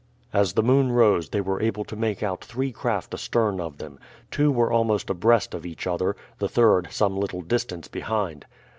As the moon rose they were able to make out three craft astern of them. Two were almost abreast of each other, the third some little distance behind.